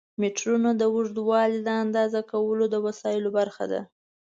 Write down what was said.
میټرونه د اوږدوالي د اندازه کولو د وسایلو برخه ده.